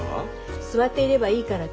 座っていればいいからって。